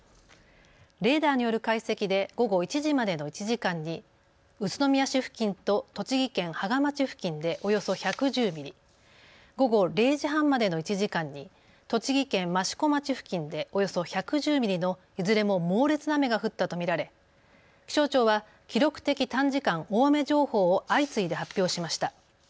レーダーによる解析で午後１時までの１時間に宇都宮市付近と栃木県芳賀町付近でおよそ１１０ミリ、午後０時半までの１時間に栃木県益子町付近でおよそ１１０ミリのいずれも猛烈な雨が降ったと見られ、気象庁は記録的短時間大雨情報を相次いで発表しました。